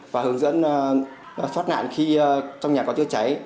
và hướng dẫn thoát nạn khi trong nhà có chữa cháy